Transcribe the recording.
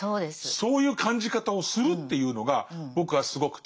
そういう感じ方をするっていうのが僕はすごくて。